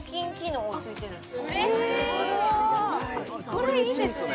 これいいですね